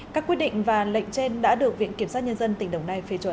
các quyết định và lệnh trên đã được viện kiểm sát nhân dân tỉnh đồng nai phê chuẩn